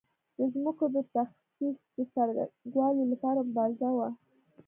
د ځمکو د تخصیص د څرنګوالي لپاره مبارزه وه.